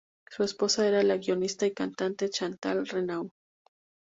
Su esposa era la guionista y cantante Chantal Renaud.